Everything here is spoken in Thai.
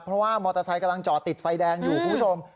เพราะว่ามอเตอร์ไซค์กำลังจอดติดไฟแดงอยู่คุณผู้ชม